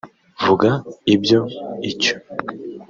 vuga ibyo icyo